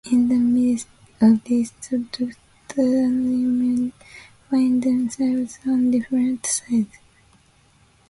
In the midst of this, the Doctor and Erimem find themselves on different sides.